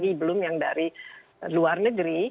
tapi belum yang dari luar negeri